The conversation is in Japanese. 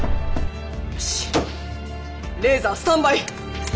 よしレーザースタンバイ。